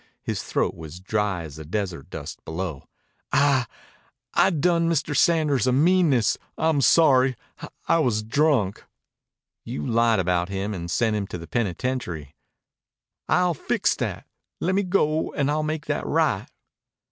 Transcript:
His throat was dry as the desert dust below. "I I done Mr. Sanders a meanness. I'm sorry. I was drunk." "You lied about him and sent him to the penitentiary." "I'll fix that. Lemme go an' I'll make that right."